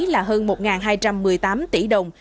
là hơn một hai trăm một mươi tám tỷ đồng